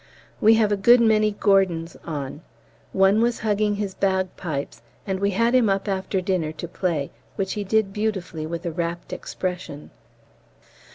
We have a good many Gordons on; one was hugging his bagpipes, and we had him up after dinner to play, which he did beautifully with a wrapt expression.